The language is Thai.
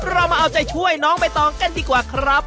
เรามาเอาใจช่วยน้องไปต่องกันนะครับ